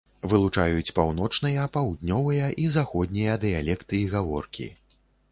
Вылучаюць паўночныя, паўднёвыя і заходнія дыялекты і гаворкі.